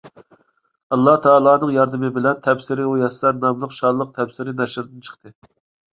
ئاللاھ تائالانىڭ ياردىمى بىلەن «تەپسىرى مۇيەسسەر» ناملىق شانلىق تەپسىر نەشردىن چىقتى.